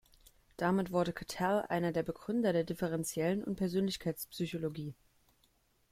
Damit wurde Cattell einer der Begründer der Differentiellen und Persönlichkeitspsychologie.